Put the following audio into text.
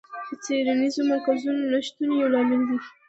د څېړنیزو مرکزونو نشتون یو لامل دی.